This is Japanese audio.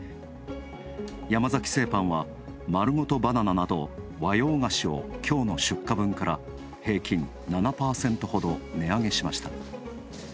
山崎製パンは、まるごとバナナなど和洋菓子をきょうの出荷分から平均７％ほど値上げしました。